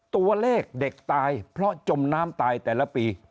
ตัวเลขเด็กตายเพราะจมน้ำตายแต่ละปี